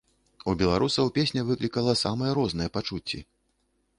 У беларусаў песня выклікала самыя розныя пачуцці.